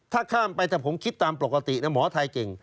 ถ้าข้ามไปถ้าผมคิดตามปกตินะหมอไทยเก่ง